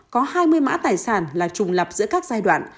có hai mươi mã tài sản là trùng lập giữa các giai đoạn